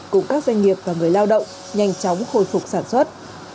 cùng các doanh nghiệp và người lao động nhanh chóng khôi phục sản xuất